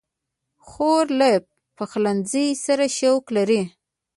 خور له پخلنځي سره شوق لري.